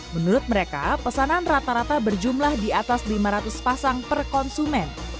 menurut mereka pesanan rata rata berjumlah di atas lima ratus pasang per konsumen